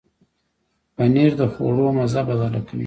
پنېر د خواړو مزه بدله کوي.